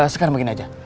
sekarang begini aja